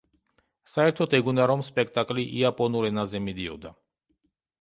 საერთოდ ეგონა რომ სპექტაკლი იაპონურ ენაზე მიდიოდა.